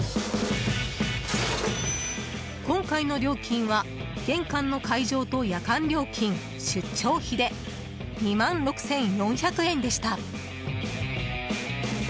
今回の料金は玄関の解錠と夜間料金、出張費で２万６４００円でした。